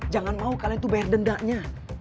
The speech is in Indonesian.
jangan mau kalian tuh bayar dendanya